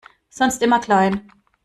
Sonst immer klein!